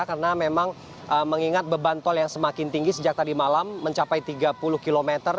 karena memang mengingat beban tol yang semakin tinggi sejak tadi malam mencapai tiga puluh km